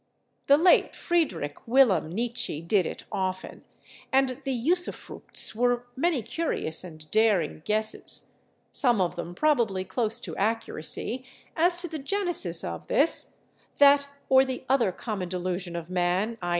The late Friedrich Wilhelm Nietzsche did it often, and the usufructs were many curious and daring guesses, some of them probably close to accuracy, as to the genesis of this, that or the other common delusion of man—_i.